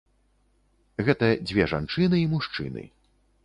Гэта дзве жанчыны і мужчыны.